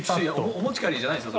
お持ち帰りじゃないですよ。